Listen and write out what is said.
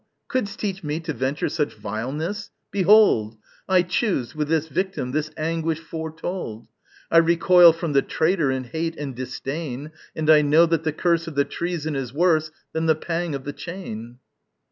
couldst teach me to venture such vileness? behold! I choose, with this victim, this anguish foretold! I recoil from the traitor in hate and disdain, And I know that the curse of the treason is worse Than the pang of the chain.